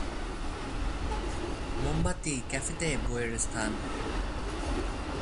মোমবাতি ক্যাফেতে বইয়ের স্থান